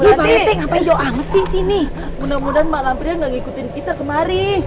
lu parete ngapain jauh amat sih disini mudah mudahan malampir gak ngikutin kita kemari